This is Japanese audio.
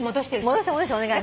戻して戻してお願い。